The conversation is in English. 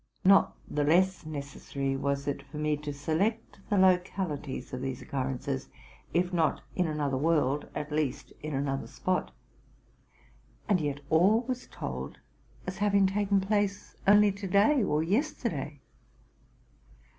Not the less necessary was it for me to select the localities of these occurrences, if not in another world, at least in another spot; and yet all was told as having taken place only to day or yesterday.